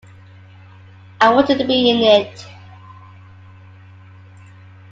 I wanted to be in it.